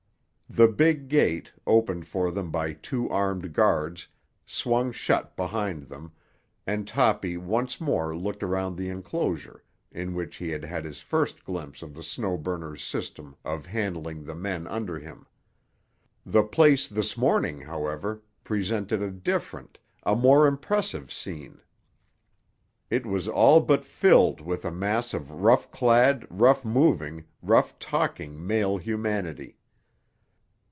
The big gate, opened for them by two armed guards, swung shut behind them, and Toppy once more looked around the enclosure in which he had had his first glimpse of the Snow Burner's system of handling the men under him. The place this morning, however, presented a different, a more impressive scene. It was all but filled with a mass of rough clad, rough moving, rough talking male humanity.